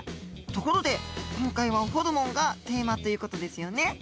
ところで今回は「ホルモン」がテーマという事ですよね？